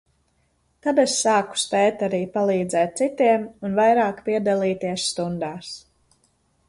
Tagad es sāku spēt arī palīdzēt citiem un vairāk piedalīties stundās.